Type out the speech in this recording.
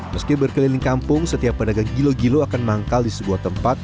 meski berkeliling kampung setiap pedagang gilo gilo akan manggal di sebuah tempat